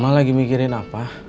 mama lagi mikirin apa